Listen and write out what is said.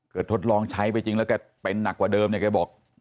ทดลองใช้ไปจริงแล้วแกเป็นหนักกว่าเดิมเนี่ยแกบอก